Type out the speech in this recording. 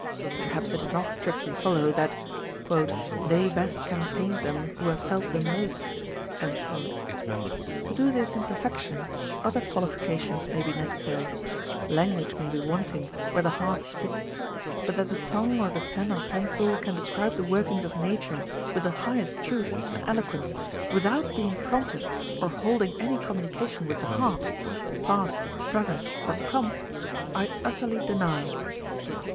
Perhaps it does not strictly follow, that They best can paint them, who have felt them most. To do this in perfection other qualifications may be necessary : language may be wanting where the heart speaks, but that the tongue or the pen or pencil can describe the workings of nature with the highest truth and eloquence without being prompted or holding any communication with the heart, past, present, or to come, I utterly deny.